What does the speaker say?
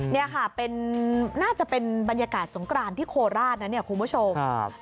นี่ค่ะน่าจะเป็นบรรยากาศสงกรานที่โคราชนะเนี่ยคุณผู้ชม